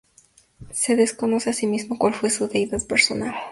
Se desconoce asimismo cuál fue su deidad personal.